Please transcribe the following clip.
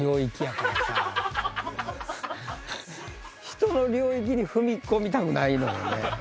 ひとの領域に踏み込みたくないのよね。